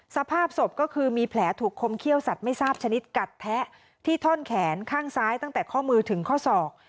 สภาพศพก็คือมีแผลถูกคมเขี้ยวสัตว์ไม่ทราบชนิดกัดแทะที่ท่อนแขนข้างซ้ายตั้งแต่ข้อมือถึงข้อศอก